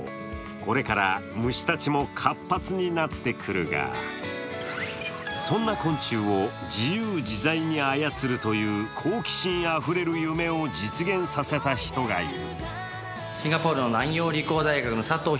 これから虫たちも活発になってくるがそんな昆虫を、自由自在に操るという好奇心あふれる夢を実現させた人がいる。